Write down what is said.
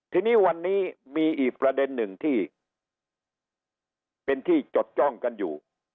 ทีนี้วันนี้มีอีกประเด็นหนึ่งที่เป็นที่จดจ้องกันอยู่